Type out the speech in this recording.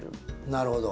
なるほど。